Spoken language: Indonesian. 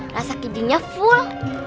rasa kejunya full